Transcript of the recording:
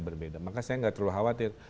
berbeda maka saya nggak terlalu khawatir